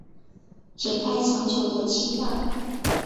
解开长久的羁绊